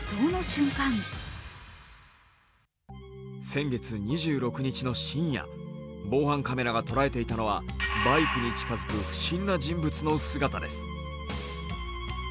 先月２６日の深夜防犯カメラが捉えていたのはバイクに近づく不審な人物の姿です。